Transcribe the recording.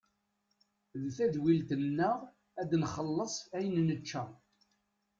D tadwilt-nneɣ ad nxelles ayen nečča.